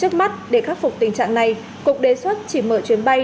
trước mắt để khắc phục tình trạng này cục đề xuất chỉ mở chuyến bay